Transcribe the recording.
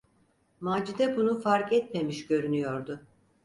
Macide bunu fark etmemiş görünüyordu.